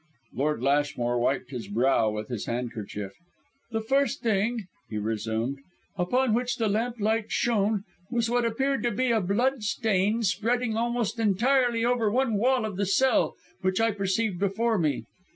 Lord Lashmore wiped his brow with his handkerchief. "The first thing," he resumed, "upon which the lamplight shone, was what appeared to be a blood stain spreading almost entirely over one wall of the cell which I perceived before me.